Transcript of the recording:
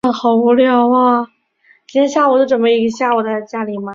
目前城堡内开设收藏海底考古文物的博物馆。